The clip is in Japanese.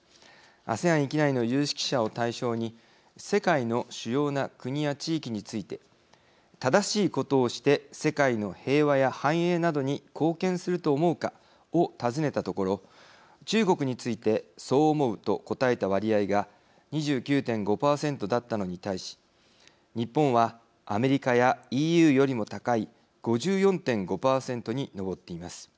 アセアン域内の有識者を対象に世界の主要な国や地域について正しいことをして世界の平和や繁栄などに貢献すると思うかを尋ねたところ中国についてそう思うと答えた割合が２９．５％だったのに対し日本はアメリカやＥＵよりも高い５４．５％に上っています。